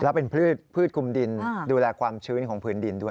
แล้วเป็นพืชคุมดินดูแลความชื้นของผืนดินด้วย